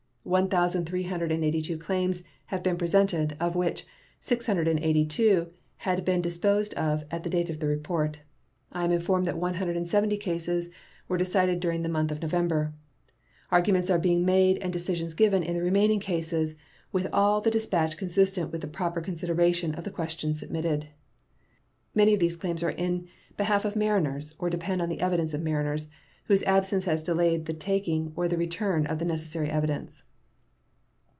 One thousand three hundred and eighty two claims have been presented, of which 682 had been disposed of at the date of the report. I am informed that 170 cases were decided during the month of November. Arguments are being made and decisions given in the remaining cases with all the dispatch consistent with the proper consideration of the questions submitted. Many of these claims are in behalf of mariners, or depend on the evidence of mariners, whose absence has delayed the taking or the return of the necessary evidence.